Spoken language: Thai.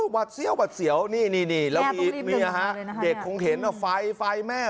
วัดเซียววัดเสียวนี่แล้วมีเด็กเด็กคงเห็นว่าไฟไฟไฟ